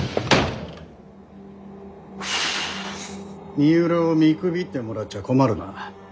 三浦を見くびってもらっちゃ困るな。